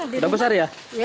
sudah besar ya